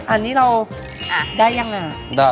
อันนี้เราได้หรือยังนะ